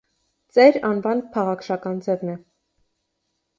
Ծեր անվան փաղաքշական ձևն է։